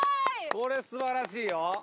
これ素晴らしいよ